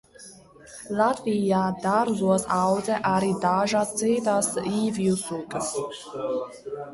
Latvijā dārzos audzē arī dažas citas īvju sugas.